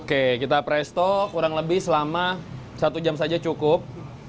oke kita presto kurang lebih selama satu jam saja cukup